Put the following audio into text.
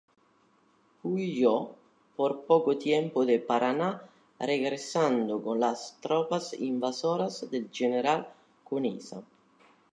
Huyó por poco tiempo de Paraná, regresando con las tropas invasoras del general Conesa.